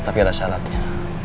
tapi ada syaratnya